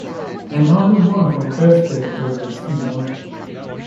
And only one for birthday presents, you know.